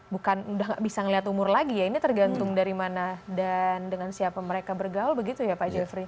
bukan udah gak bisa melihat umur lagi ya ini tergantung dari mana dan dengan siapa mereka bergaul begitu ya pak jeffrey